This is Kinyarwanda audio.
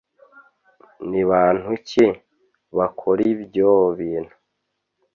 nibantu ki bakoraibyo bintu